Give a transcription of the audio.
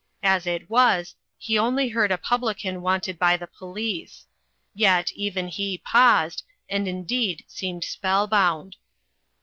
As it was, he only heard a publican wanted by the police. — Yet even he paused, and indeed seemed spellbound.